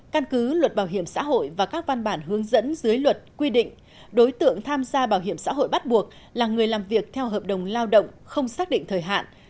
căn cứ luật bảo hiểm xã hội và các văn bản hướng dẫn dưới luật quy định đối tượng tham gia bảo hiểm xã hội bắt buộc là người làm việc theo hợp đồng lao động không xác định thời hạn